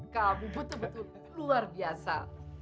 kamu betul betul luar biasa